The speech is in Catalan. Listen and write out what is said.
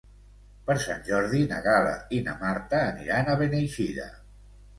Per Sant Jordi na Gal·la i na Marta aniran a Beneixida.